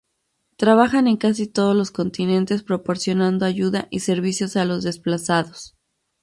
Trabajan en casi todos los continentes proporcionando ayuda y servicios a los desplazados.